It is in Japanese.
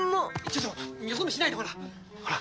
ちょっとよそ見しないでほら！